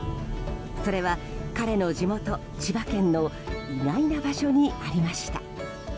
それは、彼の地元・千葉県の意外な場所にありました。